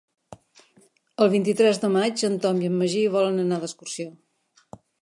El vint-i-tres de maig en Tom i en Magí volen anar d'excursió.